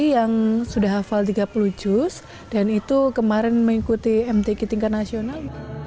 yang sudah hafal tiga puluh juz dan itu kemarin mengikuti mtk tingkat nasional